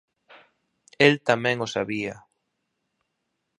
El tamén o sabía.